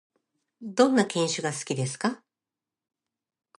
どんな犬種が好きですか？